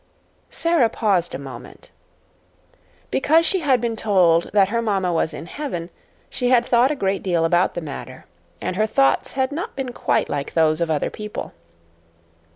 Sara paused a moment. Because she had been told that her mamma was in heaven, she had thought a great deal about the matter, and her thoughts had not been quite like those of other people.